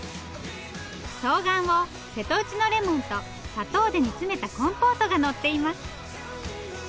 とうがんを瀬戸内のレモンと砂糖で煮詰めたコンポートがのっています。